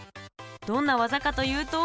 どんな技かというと。